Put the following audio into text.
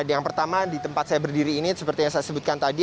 yang pertama di tempat saya berdiri ini seperti yang saya sebutkan tadi